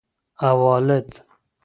اوالد